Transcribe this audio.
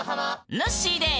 ぬっしーです。